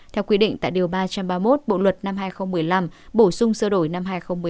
theo quy định tại điều ba trăm ba mươi một bộ luật năm hai nghìn một mươi năm bổ sung sửa đổi năm hai nghìn một mươi năm